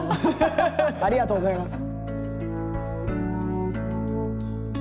ありがとうございます。